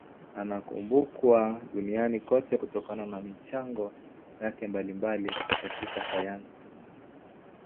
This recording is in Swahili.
Anakumbukwa duniani kote kutokana na michango yake mbalimbali katika sayansi.